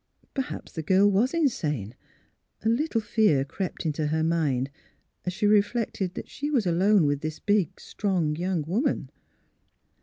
Per haps the girl was insane. A little fear crept into her mind as she reflected that she was alone with this big, strong young woman.